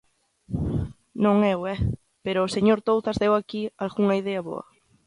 ¡Non eu, ¿eh?! ¡Pero o señor Touzas deu aquí algunha idea boa!